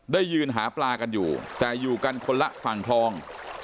ยืนหาปลากันอยู่แต่อยู่กันคนละฝั่งคลอง